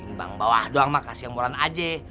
tingbang bawah doang makasih yang murahan aja